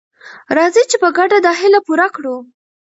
راځئ چې په ګډه دا هیله پوره کړو.